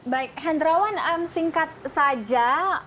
baik hendrawan singkat saja